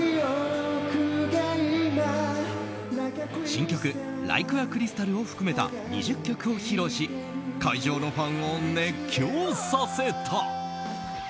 新曲「ＬＩＫＥＡＣＲＹＳＴＡＬ」を含めた２０曲を披露し会場のファンを熱狂させた。